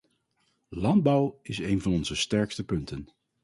Landbouw is een van onze sterkste punten.